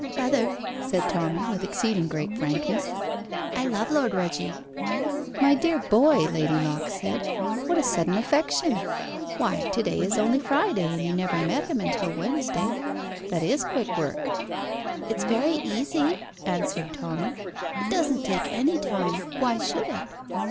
"Mother," said Tommy with exceeding great frankness, "I love Lord Reggie." "My dear boy," Lady Locke said, "what a sudden affection! Why, to day is only Friday, and you never met him until Wednesday. That is quick work." "It's very easy," answered Tommy. "It doesn't take any time. Why should it?"